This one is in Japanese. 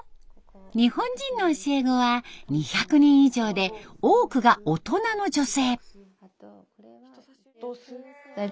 日本人の教え子は２００人以上で多くが大人の女性。